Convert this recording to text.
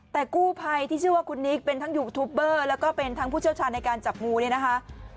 แต่กู้ภัยที่ชื่อว่าคุณนิกเป็นทั้งยูทูปเบอร์แล้วก็เป็นทั้งผู้เชี่ยวชาญในการจับงูเนี่ยนะคะ